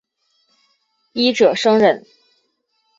一者生忍。